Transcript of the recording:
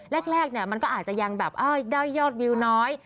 แรกมันก็อาจจะยังแบบได้ยอดวิวน้อย